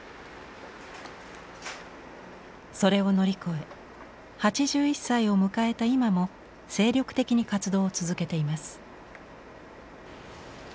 それを乗り越え８１歳を迎えた今も精力的に活動を続けています。